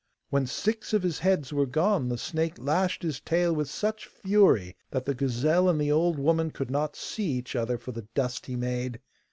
When six of his heads were gone the snake lashed his tail with such fury that the gazelle and the old woman could not see each other for the dust he made.